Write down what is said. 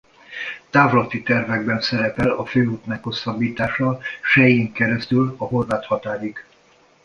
Távlati tervekben szerepel a főút meghosszabbítása Sellyén keresztül a horvát határig.